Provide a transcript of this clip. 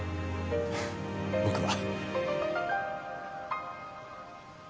僕は。